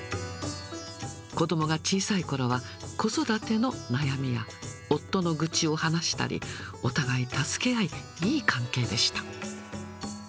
子どもが小さいころは子育ての悩みや、夫の愚痴を話したり、お互い助け合い、いい関係でした。